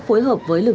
phối hợp với lực lượng